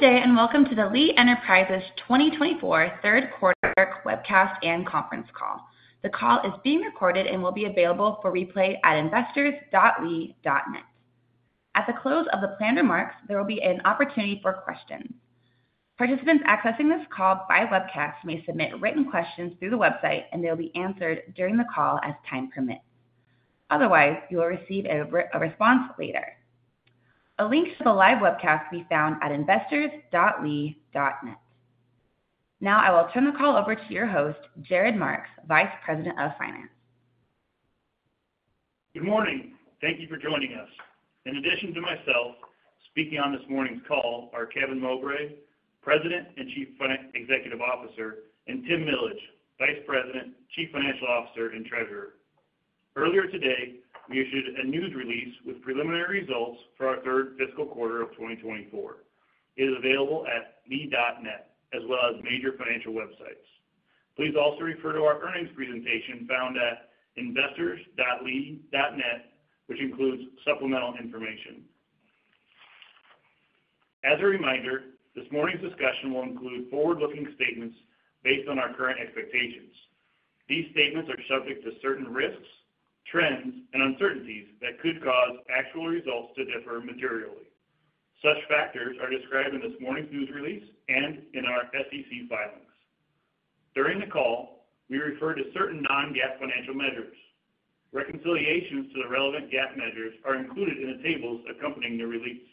Good day, and welcome to the Lee Enterprises 2024 third quarter webcast and conference call. The call is being recorded and will be available for replay at investors.lee.net. At the close of the planned remarks, there will be an opportunity for questions. Participants accessing this call by webcast may submit written questions through the website, and they'll be answered during the call as time permits. Otherwise, you will receive a response later. A link to the live webcast can be found at investors.lee.net. Now, I will turn the call over to your host, Jared Marks, Vice President of Finance. Good morning. Thank you for joining us. In addition to myself, speaking on this morning's call are Kevin Mowbray, President and Chief Executive Officer, and Tim Millage, Vice President, Chief Financial Officer, and Treasurer. Earlier today, we issued a news release with preliminary results for our third fiscal quarter of 2024. It is available at lee.net, as well as major financial websites. Please also refer to our earnings presentation found at investors.lee.net, which includes supplemental information. As a reminder, this morning's discussion will include forward-looking statements based on our current expectations. These statements are subject to certain risks, trends, and uncertainties that could cause actual results to differ materially. Such factors are described in this morning's news release and in our SEC filings. During the call, we refer to certain non-GAAP financial measures. Reconciliations to the relevant GAAP measures are included in the tables accompanying the release.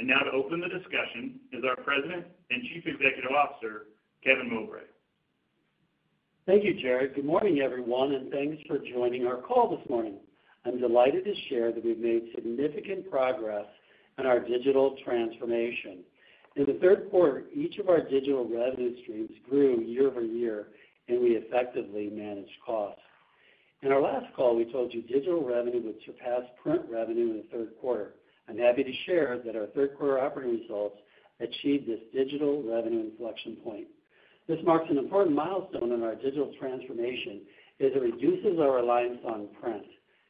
Now to open the discussion is our President and Chief Executive Officer, Kevin Mowbray. Thank you, Jared. Good morning, everyone, and thanks for joining our call this morning. I'm delighted to share that we've made significant progress on our digital transformation. In the third quarter, each of our digital revenue streams grew year-over-year, and we effectively managed costs. In our last call, we told you digital revenue would surpass print revenue in the third quarter. I'm happy to share that our third quarter operating results achieved this digital revenue inflection point. This marks an important milestone in our digital transformation as it reduces our reliance on print.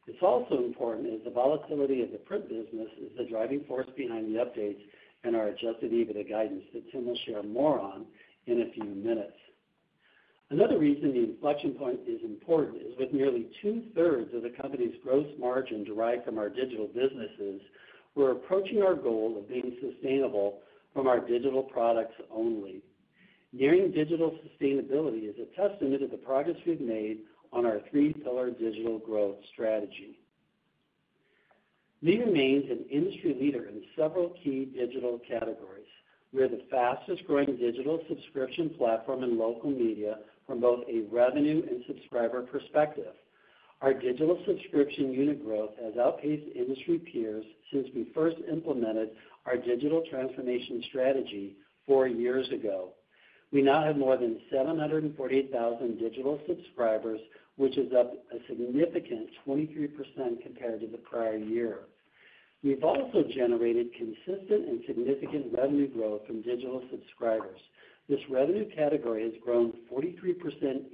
It's also important as the volatility of the print business is the driving force behind the updates and our Adjusted EBITDA guidance that Tim will share more on in a few minutes. Another reason the inflection point is important is with nearly two-thirds of the company's gross margin derived from our digital businesses, we're approaching our goal of being sustainable from our digital products only. Nearing digital sustainability is a testament to the progress we've made on our three-pillar digital growth strategy. Lee remains an industry leader in several key digital categories. We are the fastest growing digital subscription platform in local media from both a revenue and subscriber perspective. Our digital subscription unit growth has outpaced industry peers since we first implemented our digital transformation strategy four years ago. We now have more than 748,000 digital subscribers, which is up a significant 23% compared to the prior year. We've also generated consistent and significant revenue growth from digital subscribers. This revenue category has grown 43%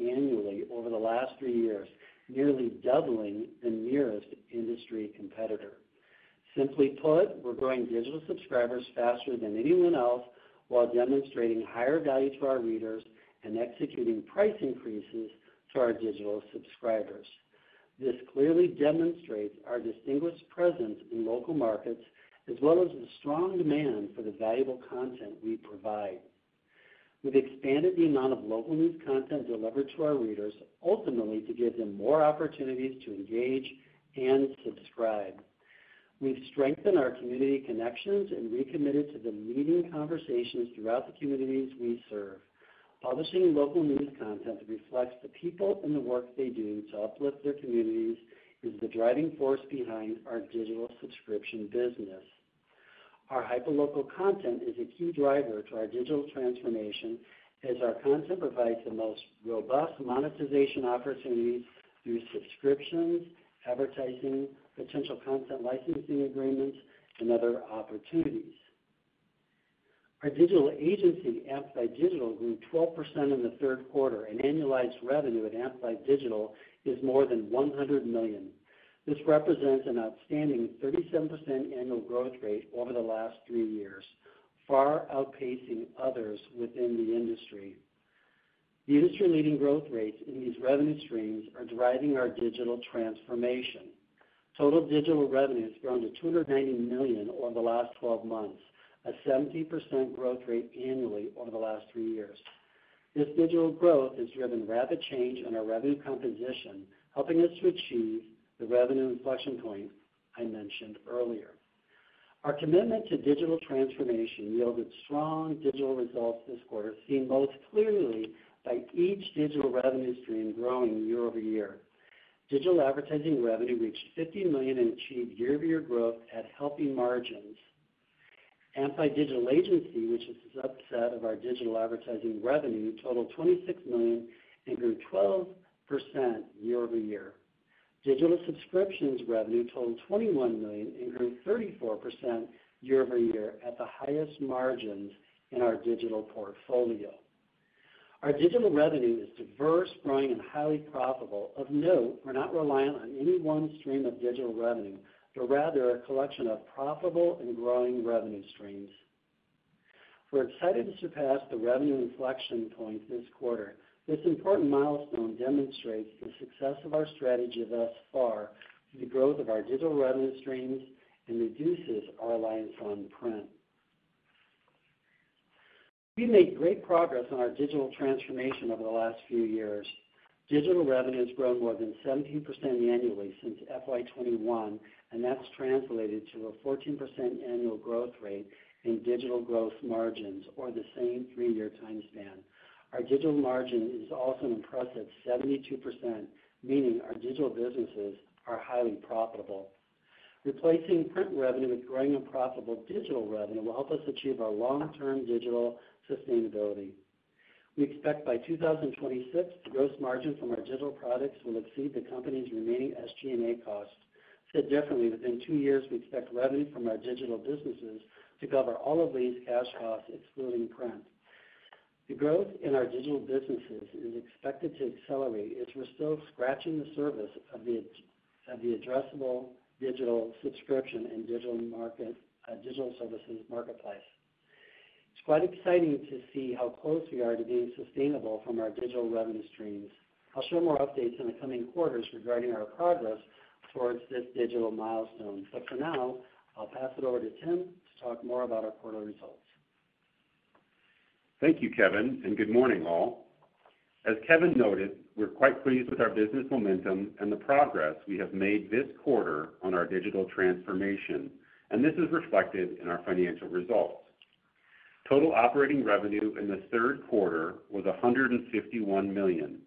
annually over the last three years, nearly doubling the nearest industry competitor. Simply put, we're growing digital subscribers faster than anyone else, while demonstrating higher value to our readers and executing price increases to our digital subscribers. This clearly demonstrates our distinguished presence in local markets, as well as the strong demand for the valuable content we provide. We've expanded the amount of local news content delivered to our readers, ultimately, to give them more opportunities to engage and subscribe. We've strengthened our community connections and recommitted to the leading conversations throughout the communities we serve. Publishing local news content that reflects the people and the work they do to uplift their communities is the driving force behind our digital subscription business. Our hyperlocal content is a key driver to our digital transformation, as our content provides the most robust monetization opportunities through subscriptions, advertising, potential content licensing agreements, and other opportunities. Our digital agency, Amplified Digital, grew 12% in the third quarter, and annualized revenue at Amplified Digital is more than $100 million. This represents an outstanding 37% annual growth rate over the last three years, far outpacing others within the industry. The industry-leading growth rates in these revenue streams are driving our digital transformation. Total digital revenue has grown to $290 million over the last 12 months, a 70% growth rate annually over the last three years. This digital growth has driven rapid change in our revenue composition, helping us to achieve the revenue inflection point I mentioned earlier. Our commitment to digital transformation yielded strong digital results this quarter, seen most clearly by each digital revenue stream growing year-over-year. Digital advertising revenue reached $50 million and achieved year-over-year growth at healthy margins. Amplified Digital Agency, which is a subset of our digital advertising revenue, totaled $26 million and grew 12% year-over-year. Digital subscriptions revenue totaled $21 million and grew 34% year-over-year at the highest margins in our digital portfolio. Our digital revenue is diverse, growing, and highly profitable. Of note, we're not reliant on any one stream of digital revenue, but rather a collection of profitable and growing revenue streams. We're excited to surpass the revenue inflection point this quarter. This important milestone demonstrates the success of our strategy thus far through the growth of our digital revenue streams and reduces our reliance on print. We've made great progress on our digital transformation over the last few years. Digital revenue has grown more than 17% annually since FY 2021, and that's translated to a 14% annual growth rate in digital gross margins over the same three-year time span. Our digital margin is also an impressive 72%, meaning our digital businesses are highly profitable. Replacing print revenue with growing and profitable digital revenue will help us achieve our long-term digital sustainability. We expect by 2026, the gross margin from our digital products will exceed the company's remaining SG&A costs. Said differently, within two years, we expect revenue from our digital businesses to cover all of these cash costs, excluding print. The growth in our digital businesses is expected to accelerate, as we're still scratching the surface of the addressable digital subscription and digital market, digital services marketplace. It's quite exciting to see how close we are to being sustainable from our digital revenue streams. I'll share more updates in the coming quarters regarding our progress towards this digital milestone, but for now, I'll pass it over to Tim to talk more about our quarterly results. Thank you, Kevin, and good morning, all. As Kevin noted, we're quite pleased with our business momentum and the progress we have made this quarter on our digital transformation, and this is reflected in our financial results. Total operating revenue in the third quarter was $151 million.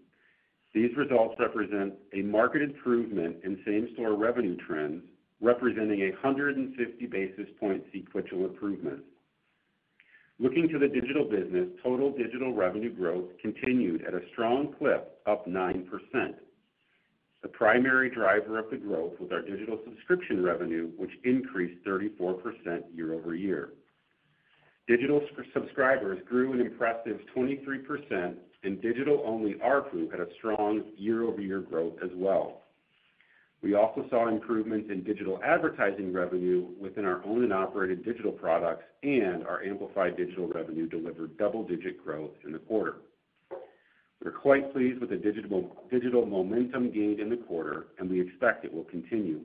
These results represent a marked improvement in same-store revenue trends, representing a 150 basis point sequential improvement. Looking to the digital business, total digital revenue growth continued at a strong clip, up 9%. The primary driver of the growth was our digital subscription revenue, which increased 34% year-over-year. Digital subscribers grew an impressive 23%, and digital-only ARPU had a strong year-over-year growth as well. We also saw improvement in digital advertising revenue within our owned and operated digital products, and our Amplified Digital revenue delivered double-digit growth in the quarter. We're quite pleased with the digital, digital momentum gained in the quarter, and we expect it will continue.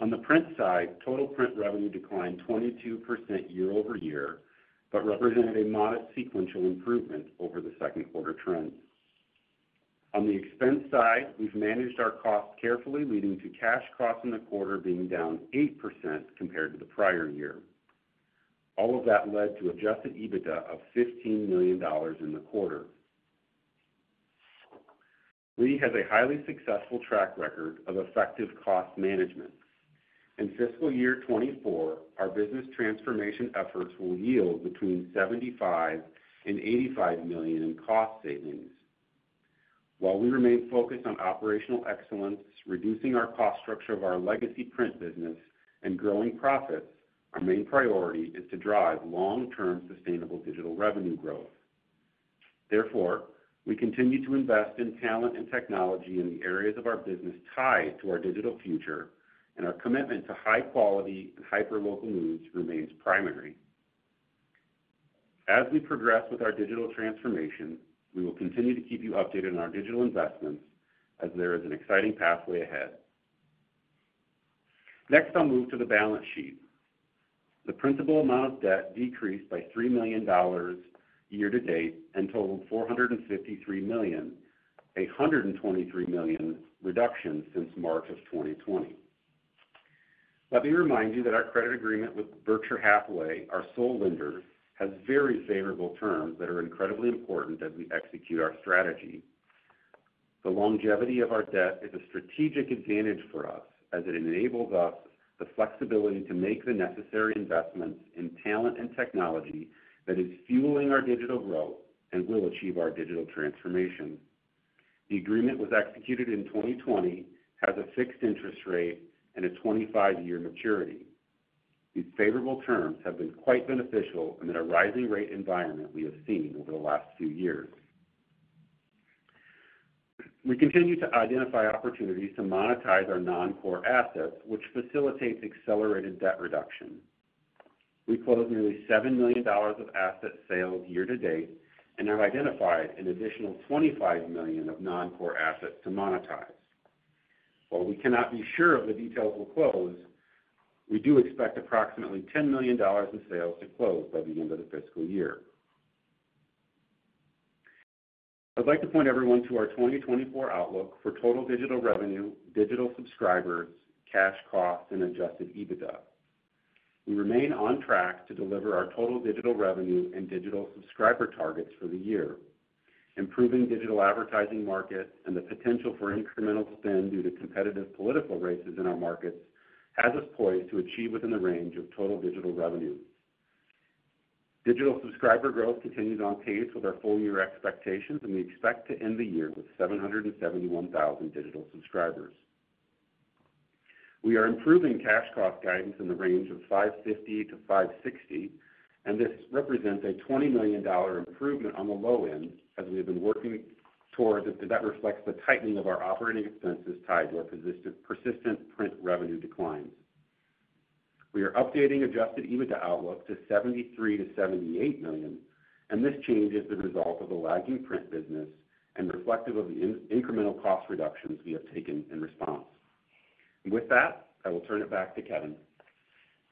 On the print side, total print revenue declined 22% year-over-year, but represented a modest sequential improvement over the second quarter trend. On the expense side, we've managed our costs carefully, leading to cash costs in the quarter being down 8% compared to the prior year. All of that led to Adjusted EBITDA of $15 million in the quarter. Lee has a highly successful track record of effective cost management. In fiscal year 2024, our business transformation efforts will yield between $75 million and $85 million in cost savings. While we remain focused on operational excellence, reducing our cost structure of our legacy print business, and growing profits, our main priority is to drive long-term sustainable digital revenue growth. Therefore, we continue to invest in talent and technology in the areas of our business tied to our digital future, and our commitment to high quality and hyperlocal news remains primary. As we progress with our digital transformation, we will continue to keep you updated on our digital investments as there is an exciting pathway ahead. Next, I'll move to the balance sheet. The principal amount of debt decreased by $3 million year to date and totaled $453 million, a $123 million reduction since March 2020. Let me remind you that our credit agreement with Berkshire Hathaway, our sole lender, has very favorable terms that are incredibly important as we execute our strategy. The longevity of our debt is a strategic advantage for us, as it enables us the flexibility to make the necessary investments in talent and technology that is fueling our digital growth and will achieve our digital transformation. The agreement was executed in 2020, has a fixed interest rate, and a 25-year maturity. These favorable terms have been quite beneficial in the rising rate environment we have seen over the last few years. We continue to identify opportunities to monetize our noncore assets, which facilitates accelerated debt reduction. We closed nearly $7 million of asset sales year to date and have identified an additional $25 million of noncore assets to monetize. While we cannot be sure if the details will close, we do expect approximately $10 million in sales to close by the end of the fiscal year. I'd like to point everyone to our 2024 outlook for total digital revenue, digital subscribers, cash costs, and Adjusted EBITDA. We remain on track to deliver our total digital revenue and digital subscriber targets for the year. Improving digital advertising markets and the potential for incremental spend due to competitive political races in our markets has us poised to achieve within the range of total digital revenue. Digital subscriber growth continues on pace with our full year expectations, and we expect to end the year with 771,000 digital subscribers. We are improving cash cost guidance in the range of $550 million-$560 million, and this represents a $20 million improvement on the low end as we have been working towards, that reflects the tightening of our operating expenses tied to our persistent, persistent print revenue declines. We are updating Adjusted EBITDA outlook to $73 million-$78 million, and this change is the result of the lagging print business and reflective of the non-incremental cost reductions we have taken in response. With that, I will turn it back to Kevin.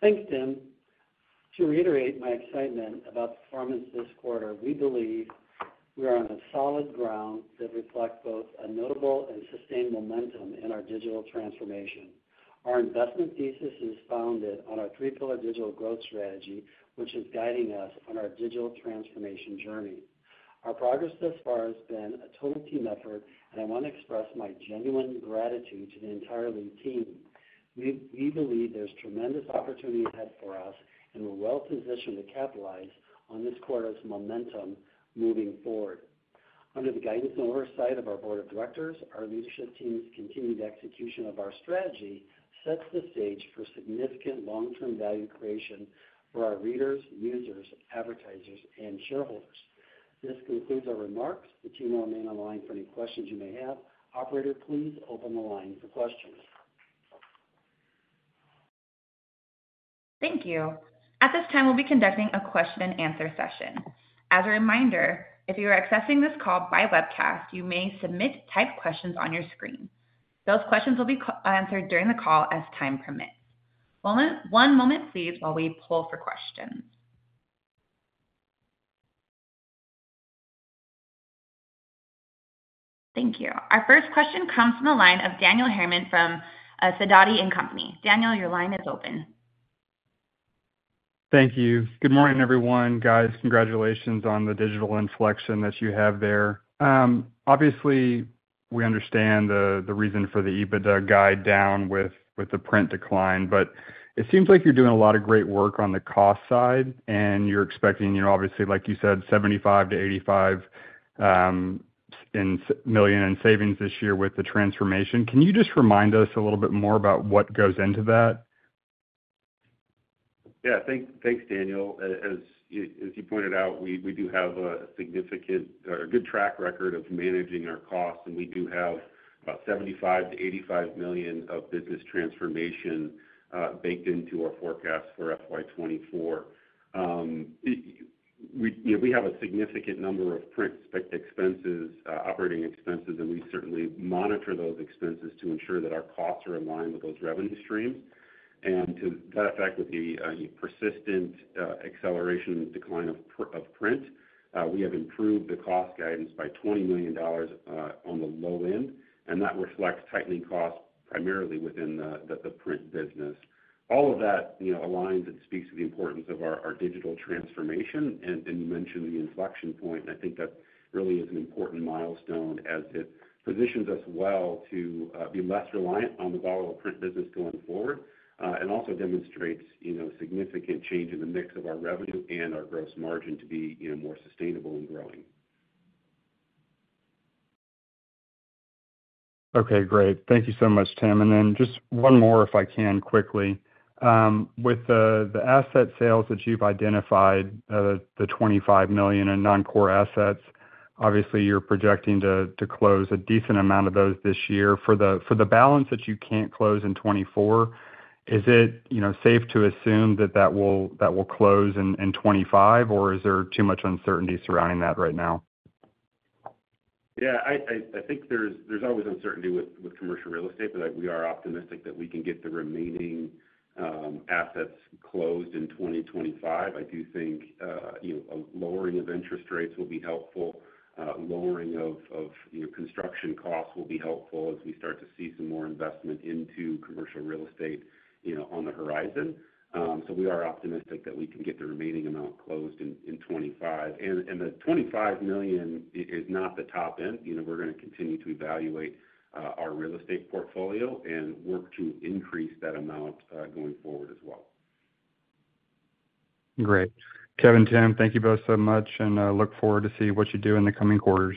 Thanks, Tim. To reiterate my excitement about the performance this quarter, we believe we are on a solid ground that reflect both a notable and sustained momentum in our digital transformation. Our investment thesis is founded on our three-pillar digital growth strategy, which is guiding us on our digital transformation journey. Our progress thus far has been a total team effort, and I want to express my genuine gratitude to the entire Lee team. We believe there's tremendous opportunity ahead for us, and we're well positioned to capitalize on this quarter's momentum moving forward. Under the guidance and oversight of our board of directors, our leadership team's continued execution of our strategy sets the stage for significant long-term value creation for our readers, users, advertisers, and shareholders. This concludes our remarks. The team will remain online for any questions you may have. Operator, please open the line for questions. Thank you. At this time, we'll be conducting a question and answer session. As a reminder, if you are accessing this call by webcast, you may submit typed questions on your screen. Those questions will be answered during the call as time permits. One moment, please, while we poll for questions. Thank you. Our first question comes from the line of Daniel Harriman from Sidoti & Company. Daniel, your line is open. Thank you. Good morning, everyone. Guys, congratulations on the digital inflection that you have there. Obviously, we understand the reason for the EBITDA guide down with the print decline, but it seems like you're doing a lot of great work on the cost side, and you're expecting, you know, obviously, like you said, $75 million-$85 million in savings this year with the transformation. Can you just remind us a little bit more about what goes into that? Yeah. Thanks, Daniel. As you pointed out, we do have a significant, or a good track record of managing our costs, and we do have about $75 million-$85 million of business transformation baked into our forecast for FY 2024. We, you know, we have a significant number of print expenses, operating expenses, and we certainly monitor those expenses to ensure that our costs are in line with those revenue streams. And to that effect, with the persistent acceleration and decline of print, we have improved the cost guidance by $20 million on the low end, and that reflects tightening costs primarily within the print business. All of that, you know, aligns and speaks to the importance of our digital transformation, and you mentioned the inflection point, and I think that really is an important milestone as it positions us well to be less reliant on the volatile print business going forward, and also demonstrates, you know, significant change in the mix of our revenue and our gross margin to be, you know, more sustainable and growing. Okay, great. Thank you so much, Tim. And then just one more, if I can, quickly. With the asset sales that you've identified, the $25 million in non-core assets, obviously, you're projecting to close a decent amount of those this year. For the balance that you can't close in 2024, is it, you know, safe to assume that that will close in 2025, or is there too much uncertainty surrounding that right now? Yeah, I think there's always uncertainty with commercial real estate, but we are optimistic that we can get the remaining assets closed in 2025. I do think, you know, a lowering of interest rates will be helpful, lowering of, you know, construction costs will be helpful as we start to see some more investment into commercial real estate, you know, on the horizon. So we are optimistic that we can get the remaining amount closed in 2025. And the $25 million is not the top end. You know, we're gonna continue to evaluate our real estate portfolio and work to increase that amount going forward as well. Great. Kevin, Tim, thank you both so much, and I look forward to see what you do in the coming quarters.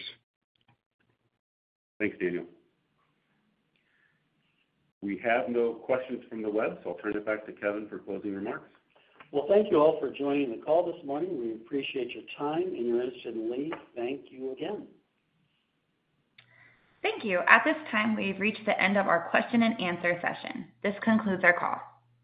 Thanks, Daniel. We have no questions from the web, so I'll turn it back to Kevin for closing remarks. Well, thank you all for joining the call this morning. We appreciate your time and your interest in Lee. Thank you again. Thank you. At this time, we've reached the end of our question and answer session. This concludes our call.